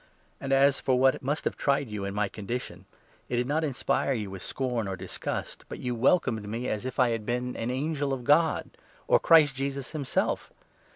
And as for what must have tried you in my condition, it 14 did not inspire you with scorn or disgust, but you welcomed me as if I had been an angel of God— or Christ Jesus himself!